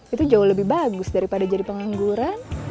itu jauh lebih bagus daripada jadi pengangguran